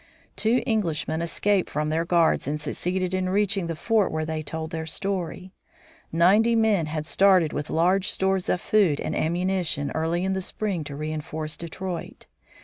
Two Englishmen escaped from their guards and succeeded in reaching the fort where they told their story: Ninety men had started with large stores of food and ammunition, early in the spring to reinforce Detroit.